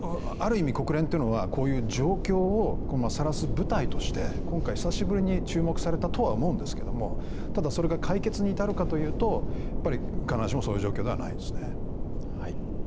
ある意味国連ってのはこういう状況をさらす舞台として今回久しぶりに注目されたとは思うんですけどもただそれが解決に至るかというとやっぱり必ずしもそういう状況ではないですね。